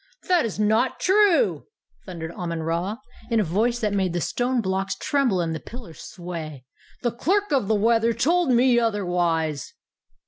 "That is not true!" thundered Amon Ra, in a voice that made the stone blocks tremble and the pillars sway; "the Clerk of the Weather told me otherwise!"